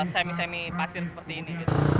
semi semi pasir seperti ini